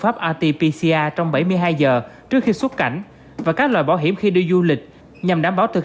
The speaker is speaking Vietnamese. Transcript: pháp rt pcr trong bảy mươi hai giờ trước khi xuất cảnh và các loại bảo hiểm khi đi du lịch nhằm đảm bảo thực